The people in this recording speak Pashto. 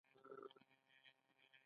د چین اقتصادي سفر دوام لري.